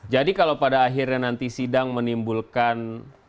jadi kalau pada akhirnya nanti sidang menimbulkan